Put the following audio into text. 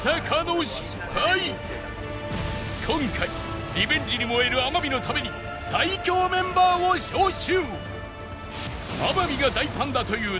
今回リベンジに燃える天海のために最強メンバーを招集！